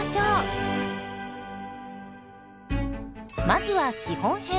まずは基本編。